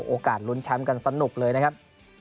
โอกาสลุ้นแชมป์กันสนุกเลยนะครับ